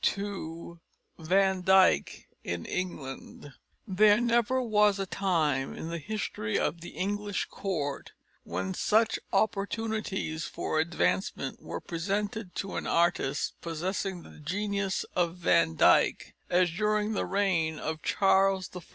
IV VAN DYCK IN ENGLAND There never was a time in the history of the English Court when such opportunities for advancement were presented to an artist possessing the genius of Van Dyck as during the reign of Charles I.